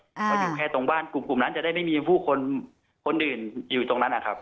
เพราะอยู่แค่ตรงบ้านกลุ่มนั้นจะได้ไม่มีผู้คนอื่นอยู่ตรงนั้นนะครับ